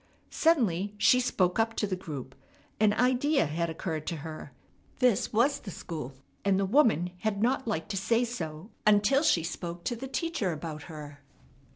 Suddenly she spoke up to the group. An idea had occurred to her. This was the school, and the woman had not liked to say so until she spoke to the teacher about her.